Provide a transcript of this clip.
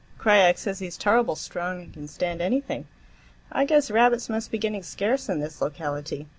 Krajiek says he's turrible strong and can stand anything. I guess rabbits must be getting scarce in this locality.